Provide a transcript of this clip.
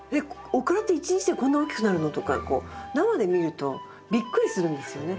オクラって一日でこんなに大きくなるの？」とか生で見るとびっくりするんですよね。